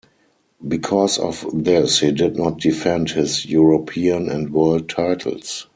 Because of this, he did not defend his European and World titles.